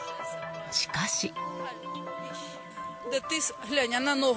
しかし。